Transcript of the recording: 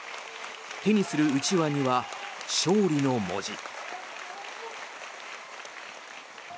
手にするうちわには「勝利」の文字。